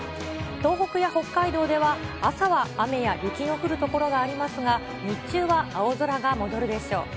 東北や北海道では朝は雨や雪の降る所がありますが、日中は青空が戻るでしょう。